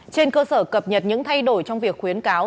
trên cơ sở cập nhật những thay đổi trong việc khuyến cáo